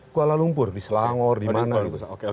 kuala lumpur di selangor di mana